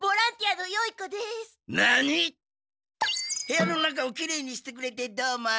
部屋の中をきれいにしてくれてどうもありがとう。